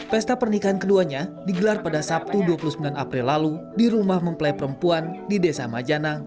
pesta pernikahan keduanya digelar pada sabtu dua puluh sembilan april lalu di rumah mempelai perempuan di desa majanang